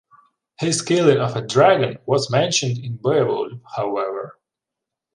His killing of a dragon was mentioned in "Beowulf", however.